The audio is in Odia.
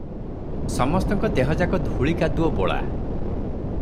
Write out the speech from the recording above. ସମସ୍ତଙ୍କ ଦେହଯାକ ଧୂଳି କାଦୁଅ ବୋଳା ।